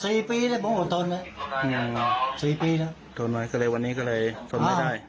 สี่ปีเนี่ยผมอดทนนะสี่ปีแล้วทนมาก็เลยวันนี้ก็เลยทนไม่ได้